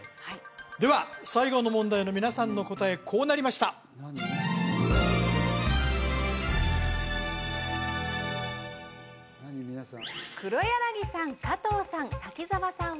では最後の問題の皆さんの答えこうなりましたさあ